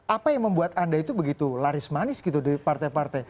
apa yang membuat anda itu begitu laris manis gitu di partai partai